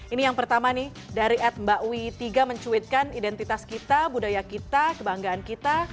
ini yang pertama nih dari at mbak wi tiga mencuitkan identitas kita budaya kita kebanggaan kita